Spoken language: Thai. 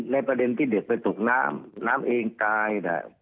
ในประเด็นที่เด็กไปตกน้ำน้ำเองตาย